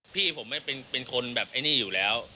พี่ผมเป็นคนแบบไอ้นี่อยู่แล้ว